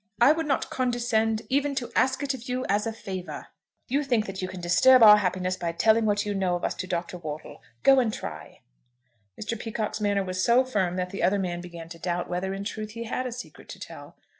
I would not condescend even to ask it of you as a favour. You think that you can disturb our happiness by telling what you know of us to Dr. Wortle. Go and try." Mr. Peacocke's manner was so firm that the other man began to doubt whether in truth he had a secret to tell.